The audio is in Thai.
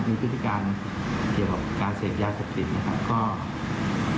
มีคุณพิทธิการเกี่ยวกับการเสียงยาเสพติด